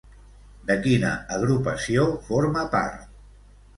De quina agrupació forma part?